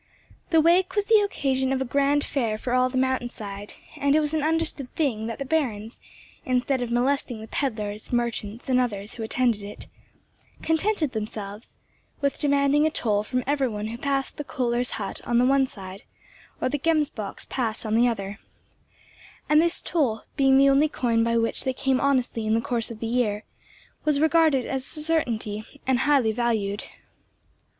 The wake was the occasion of a grand fair for all the mountain side, and it was an understood thing that the Barons, instead of molesting the pedlars, merchants, and others who attended it, contented themselves with demanding a toll from every one who passed the Kohler's hut on the one side, or the Gemsbock's Pass on the other; and this toll, being the only coin by which they came honestly in the course of the year, was regarded as a certainty and highly valued.